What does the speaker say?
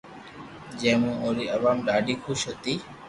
جي مون اوري عوام ڌاڌي خوݾ ھتي